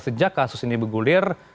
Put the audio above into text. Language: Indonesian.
sejak kasus ini bergulir